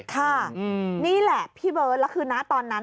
ค่ะนี่แหละพี่เบิร์ตแล้วคือนะตอนนั้น